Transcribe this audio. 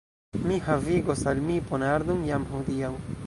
Mi havigos al mi ponardon jam hodiaŭ.